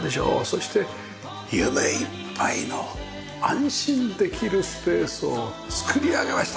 そして夢いっぱいの安心できるスペースを作り上げました！